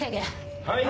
はい。